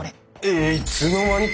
えっいつの間に！？